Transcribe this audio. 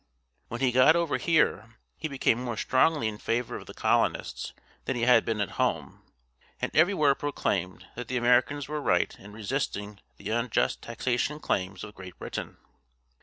When he got over here, he became more strongly in favor of the colonists than he had been at home, and everywhere proclaimed that the Americans were right in resisting the unjust taxation claims of Great Britain.